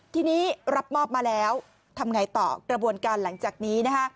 ทีนี้รับมอบมาแล้วทำไงต่อกระบวนการหลังจากนี้นะคะ